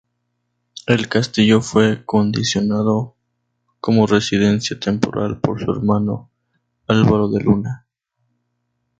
El castillo fue acondicionado como residencia temporal por su hermano Álvaro de Luna.